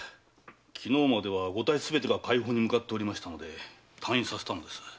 昨日まですべてが快方に向かっていたので退院させたのです。